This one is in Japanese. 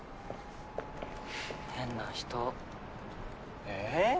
変な人。え？